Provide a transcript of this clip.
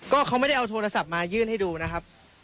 ก็เขาไม่ได้เอาโทรศัพท์มายื่นให้ดูนะครับ